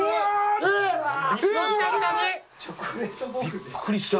びっくりした。